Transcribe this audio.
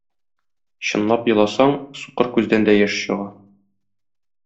Чынлап еласаң, сукыр күздән дә яшь чыга.